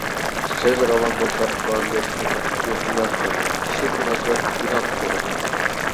سۆز راۋان بولسا، ئىپادىلەش ئېنىق جۈملىلەر جانلىق، كىشىلىك مۇناسىۋەت ئىناق بولىدۇ.